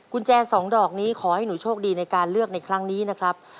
กุญแจสองดอกนี้ขอให้หนูโชคดีในการเลือกในครั้งนี้นะครับ